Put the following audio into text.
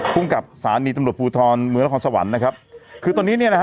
ภูมิกับสถานีตำรวจภูทรเมืองนครสวรรค์นะครับคือตอนนี้เนี่ยนะฮะ